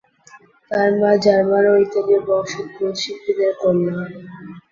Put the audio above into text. তার মা, জার্মান এবং ইতালীয় বংশোদ্ভূত, শিল্পীদের কন্যা।